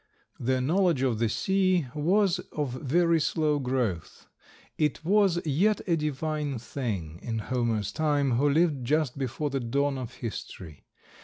Their knowledge of the sea was of very slow growth. It was yet a divine thing in Homer's time, who lived just before the dawn of history.